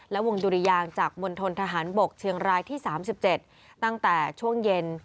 และวงดุริยางจากมณฑนทหารบกเชียงรายที่๓๗ตั้งแต่ช่วงเย็น